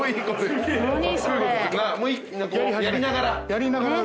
やりながら。